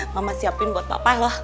mama siapin buat papa